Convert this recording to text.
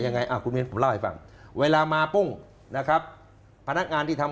ยังไงอ่ะคุณมินผมเล่าให้ฟังเวลามาปุ้งนะครับพนักงานที่ทำ